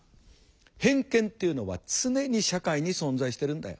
「偏見っていうのは常に社会に存在しているんだよ。